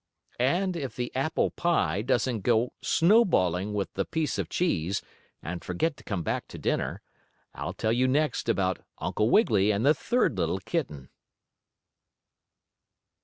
And if the apple pie doesn't go out snowballing with the piece of cheese, and forget to come back to dinner, I'll tell you next about Uncle Wiggily and the third little kitten.